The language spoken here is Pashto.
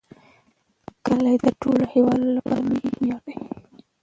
کلي د ټولو هیوادوالو لپاره لوی ویاړ دی.